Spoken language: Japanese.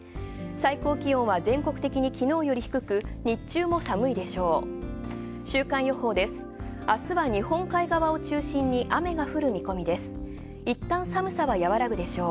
最高気温は全国的に昨日より低く、日中も寒いでしょう。